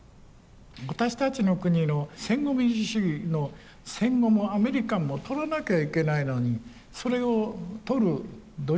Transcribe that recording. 私たちの国の戦後民主主義の戦後もアメリカンも取らなきゃいけないのにそれを取る努力をしてない。